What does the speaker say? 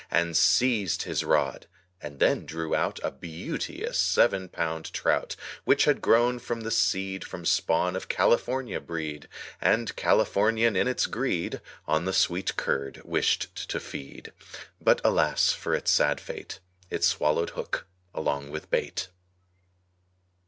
And seized his rod and then drew out A beauteous seven pound trout, Which had grown from the seed From spawn of California breed. And Californian in its greed, On the sweet curd wished to feed; But, alas, for it's sad fate, It swallowed hook along with bait.